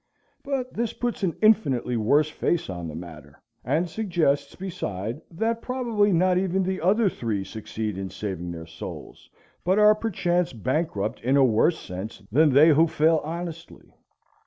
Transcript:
But this puts an infinitely worse face on the matter, and suggests, beside, that probably not even the other three succeed in saving their souls, but are perchance bankrupt in a worse sense than they who fail honestly.